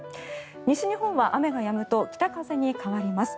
西日本は雨がやむと北風に変わります。